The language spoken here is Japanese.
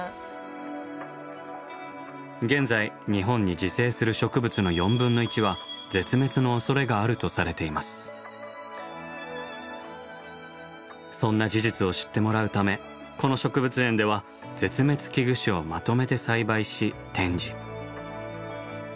現在日本に自生する植物のそんな事実を知ってもらうためこの植物園では絶滅危惧種をまとめて栽培し展示。